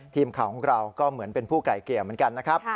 ทีมข่าวของเราก็เหมือนเป็นผู้ไกลเกลี่ยเหมือนกันนะครับ